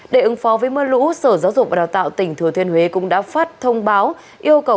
để ứng phó với mưa lũ sở giáo dục và đào tạo tỉnh thừa thiên huế cũng đã phát thông báo yêu cầu